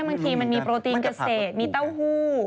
บางทีมันมีโปรตีนเกษตรมีเต้าหู้